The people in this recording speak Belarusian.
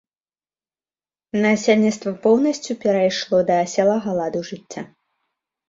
Насельніцтва поўнасцю перайшло да аселага ладу жыцця.